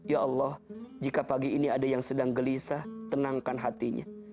ya allah jika pagi ini ada yang sedang gelisah tenangkan hatinya